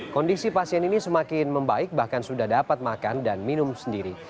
kondisi pasien ini semakin membaik bahkan sudah dapat makan dan minum sendiri